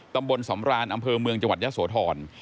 ตำบลสำรานอำเภอเมืองจังหวัดยะโสธร